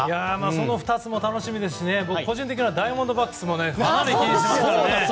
その２つも楽しみですし僕、個人的にはダイヤモンドバックスもかなり気にしてますから。